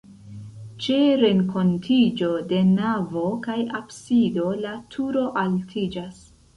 Ĉe renkontiĝo de navo kaj absido la turo altiĝas.